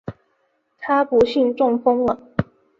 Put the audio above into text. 她不幸中风了